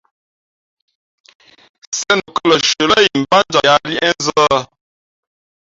Sēn o kά lα nshʉα lά imbátjam yāā liéʼnzᾱ ?